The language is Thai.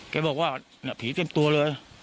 แกบอกว่าผีเต็มตัวเลย